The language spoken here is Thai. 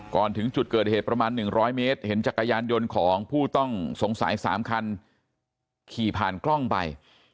ถึงจุดเกิดเหตุประมาณ๑๐๐เมตรเห็นจักรยานยนต์ของผู้ต้องสงสัย๓คันขี่ผ่านกล้องไป